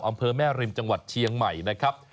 อำเภอแม่ริมจังหวัดเชียงใหม่นะครับ